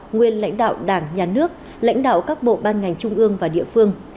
nguyên lãnh đạo đảng nhà nước lãnh đạo các bộ ban ngành trung ương và địa phương